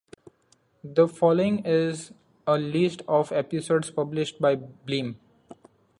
The following is a list of episodes published by Blim.